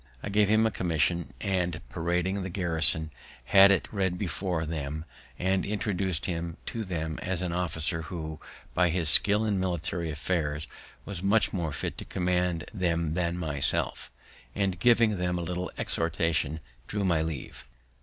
I gave him a commission, and, parading the garrison, had it read before them, and introduc'd him to them as an officer who, from his skill in military affairs, was much more fit to command them than myself; and, giving them a little exhortation, took my leave.